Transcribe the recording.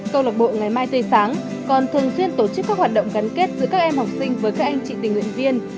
câu lạc bộ ngày mai tươi sáng còn thường xuyên tổ chức các hoạt động gắn kết giữa các em học sinh với các anh chị tình nguyện viên